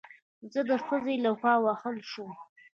زه د ښځې له خوا ووهل شوم